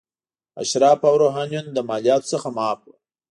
اشراف او روحانیون له مالیاتو څخه معاف وو.